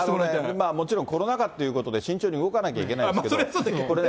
今、もちろんコロナ禍ということで、慎重に動かなきゃいけなそりゃそうだけどね。